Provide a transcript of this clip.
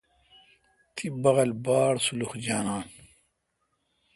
تی بال باڑسلخ جانان۔